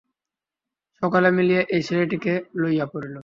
সকলে মিলিয়া এই ছেলেটিকে লইয়া পড়িল।